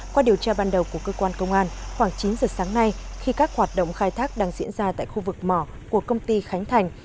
qua điều tra ban đầu của cơ quan công an khoảng chín giờ sáng nay khi các hoạt động khai thác đang diễn ra tại khu vực mỏ của công ty khánh thành